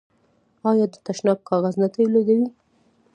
آیا د تشناب کاغذ نه تولیدوي؟